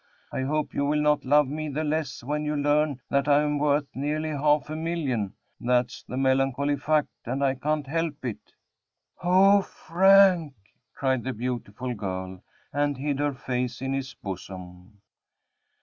I hope you will not love me the less when you learn that I am worth nearly half a million that's the melancholy fact, and I can't help it." "O Frank!" cried the beautiful girl, and hid her face in his bosom.